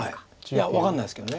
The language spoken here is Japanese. いや分かんないですけど。